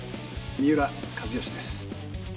三浦知良です。